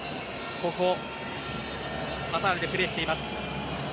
ここ、カタールでプレーしています。